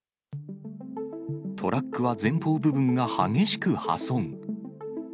トラックは前方部分が激しく破損。